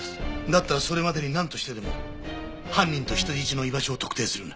だったらそれまでになんとしてでも犯人と人質の居場所を特定するんだ。